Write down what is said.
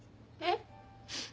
えっ？